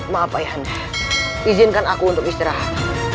maaf izinkan aku untuk istirahat